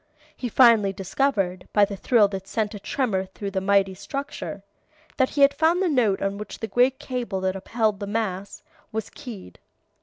He finally discovered, by the thrill that sent a tremor through the mighty structure, that he had found the note on which the great cable that upheld the mass, was keyed.